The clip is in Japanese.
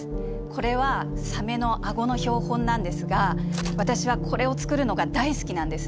これはサメの顎の標本なんですが私はこれを作るのが大好きなんですね。